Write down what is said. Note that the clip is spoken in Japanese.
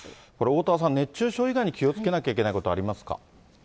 おおたわさん、熱中症以外に気をつけなきゃいけないことありますか？